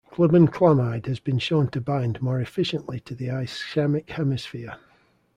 Glibenclamide has been shown to bind more efficiently to the ischemic hemisphere.